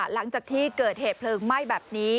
หลังจากที่เกิดเหตุเพลิงไหม้แบบนี้